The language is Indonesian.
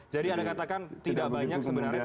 jadi anda katakan tidak banyak sebenarnya tapi